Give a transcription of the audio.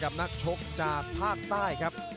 นักชกจากภาคใต้ครับ